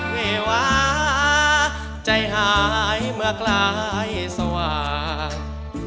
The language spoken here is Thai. เววาใจหายเมื่อกลายสว่าง